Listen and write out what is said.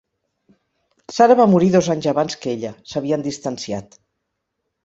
Sara va morir dos anys abans que ella; s'havien distanciat.